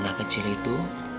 anak kecil itu